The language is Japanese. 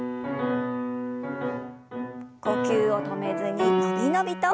呼吸を止めずに伸び伸びと。